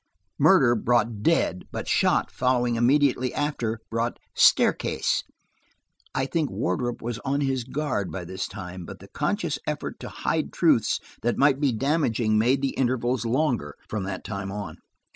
"Murder" brought "dead," but "shot," following immediately after, brought "staircase." I think Wardrop was on his guard by that time, but the conscious effort to hide truths that might be damaging made the intervals longer, from that time on.